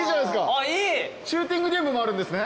シューティングゲームもあるんですね。